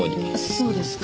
そうですか？